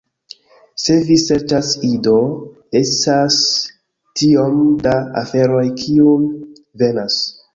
Se vi serĉas Ido, estas tiom da aferoj, kiuj venas